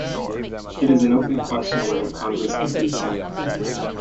It is an open question whether Congress could do so.